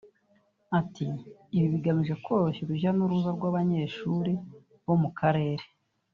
Ati "Ibi bigamije koroshya urujya n’uruza rw’abanyeshuri bo mu karere